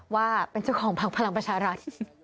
ว่าจะเป็นเธอของภักษ์พลังประชารัฐ